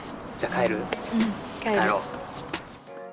帰ろう。